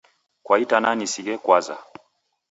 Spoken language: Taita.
Kwa itanaa nisighe kwaza.